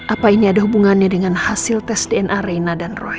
apa ini ada hubungannya dengan hasil tes dna reina dan roy